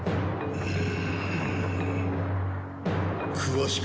うん。